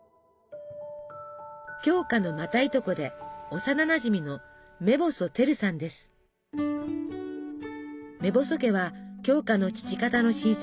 鏡花のまたいとこで幼なじみの目細家は鏡花の父方の親戚。